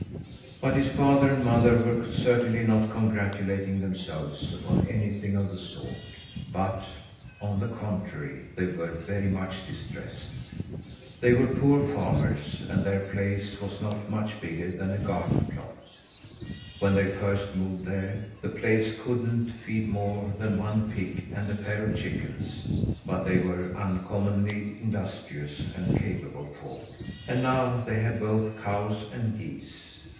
But his father and mother were certainly not congratulating themselves upon anything of the sort; but, on the contrary, they were very much distressed. They were poor farmers, and their place was not much bigger than a garden plot. When they first moved there, the place couldn't feed more than one pig and a pair of chickens; but they were uncommonly industrious and capable folk and now they had both cows and geese.